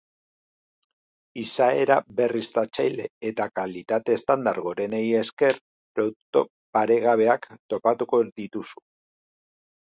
Izaera berriztatzaile eta kalitate estandar gorenei esker produktu paregabeak topatuko dituzu.